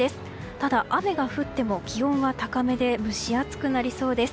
ただ、雨が降っても気温は高めで蒸し暑くなりそうです。